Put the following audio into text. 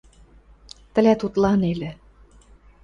— Тӹлӓт утла нелӹ.